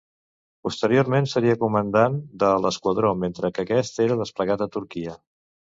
Posteriorment seria comandant de l'esquadró mentre que aquest era desplegat a Turquia.